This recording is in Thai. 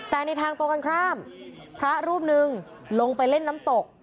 แต่ในทางตรงกันข้ามพระรูปหนึ่งลงไปเล่นน้ำตก